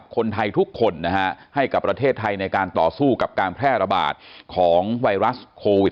คนไทยทุกคนนะฮะให้กับประเทศไทยในการต่อสู้กับการแพร่ระบาดของไวรัสโควิด